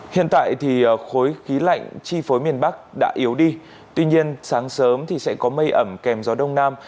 hiện tại thì khối khí lạnh chi phối miền bắc đã yếu đi tuy nhiên sáng sớm thì sẽ có mây ẩm kèm gió đông nam